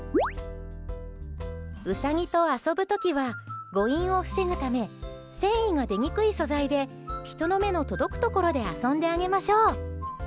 ウサギと遊ぶ時は誤飲を防ぐため繊維が出にくい素材で人の目の届くところで遊んであげましょう。